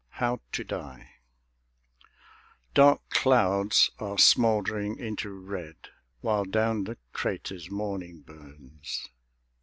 HOW TO DIE Dark clouds are smouldering into red While down the craters morning burns.